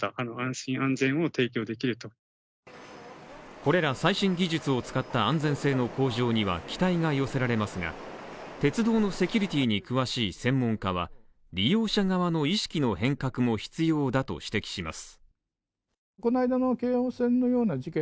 これら最新技術を使った安全性の向上には期待が寄せられますが、鉄道のセキュリティーに詳しい専門家は、利用者側の意識の変革も必要だと指摘します。